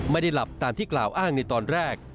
ไม่ได้หลับตามที่กล่าวอ้างในตอนแรก